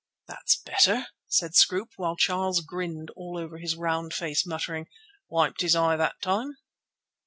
"That's better!" said Scroope, while Charles grinned all over his round face, muttering: "Wiped his eye that time."